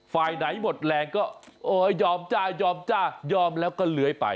ฝ่ายไหนหมดแรงก็โอ้ยยอมจ้ายอมจ้ายอมแล้วก็เลื้อยไป